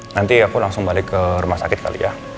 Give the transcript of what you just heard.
nanti aku langsung balik ke rumah sakit kali ya